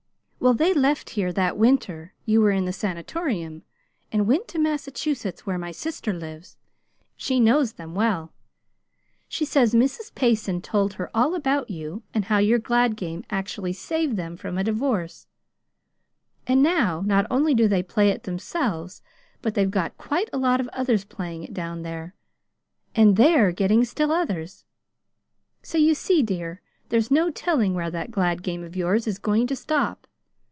"Well, they left here that winter you were in the Sanatorium and went to Massachusetts where my sister lives. She knows them well. She says Mrs. Payson told her all about you, and how your glad game actually saved them from a divorce. And now not only do they play it themselves, but they've got quite a lot of others playing it down there, and THEY'RE getting still others. So you see, dear, there's no telling where that glad game of yours is going to stop.